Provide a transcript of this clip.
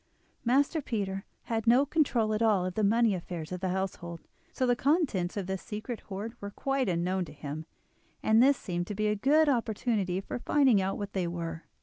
Master Peter had no control at all of the money affairs of the household, so the contents of this secret hoard were quite unknown to him, and this seemed to be a good opportunity for finding out what they were.